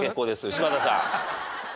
柴田さん。